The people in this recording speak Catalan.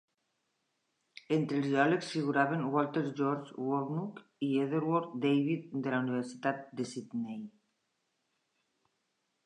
Entre els geòlegs figuraven Walter George Woolnough i Edgeworth David de la Universitat de Sydney.